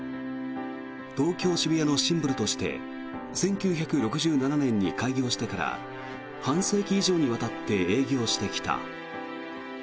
東京・渋谷のシンボルとして１９６７年に開業してから半世紀以上にわたって営業してきた。